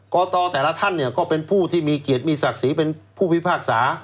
กตแต่ละท่านเนี่ยก็เป็นผู้ที่มีเกียรติมีศักดิ์ศรีเป็นผู้พิพากษา